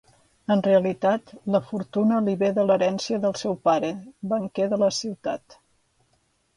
En realitat, la fortuna li ve de l’herència del seu pare, banquer de la ciutat.